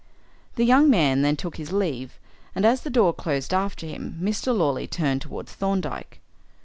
The young man then took his leave, and, as the door closed after him, Mr. Lawley turned towards Thorndyke.